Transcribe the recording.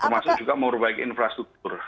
termasuk juga memperbaiki infrastruktur